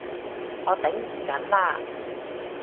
我頂唔緊喇！